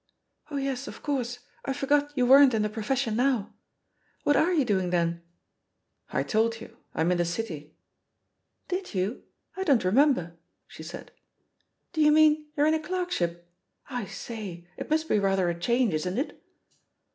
"Oh yes, of course — I forgot you weren't in the profession now. What are you doing, then!" "I told you. I'm in the Ci^." 04 THE POSITION OF PEGGY HARPER 'T)id you? I don't remember," she said. *T3o you mean you're in a clerkship? I say I it must be rather a change, isn't it?"